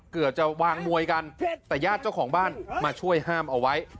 เกือบจะวางมวยกันแต่ญาติเจ้าของบ้านมาช่วยห้ามเอาไว้